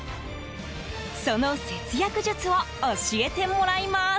その節約術を教えてもらいます。